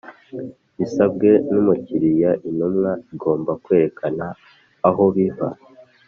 Bisabwe n’ umukiriya Intumwa igomba kwerekana aho biva.